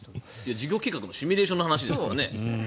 事業計画のシミュレーションの話ですからね。